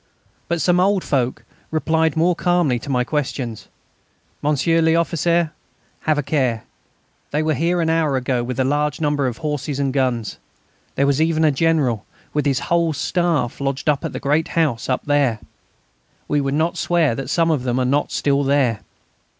But some old folk replied more calmly to my questions: "Monsieur l'Officier, have a care. They were here an hour ago with a large number of horses and guns. There was even a general, with his whole staff, lodged at the great house up there.... We would not swear that some of them are not there still."